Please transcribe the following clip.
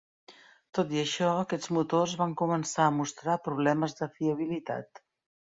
Tot i això, aquests motors van començar a mostrar problemes de fiabilitat.